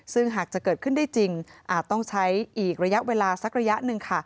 ซึ่งหากจะเกิดขึ้นได้จริงอาจต้องใช้อีกระยะเวลาสักระยะหนึ่งค่ะ